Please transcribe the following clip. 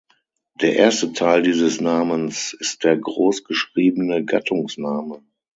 Der erste Teil dieses Namens ist der groß geschriebene Gattungsname.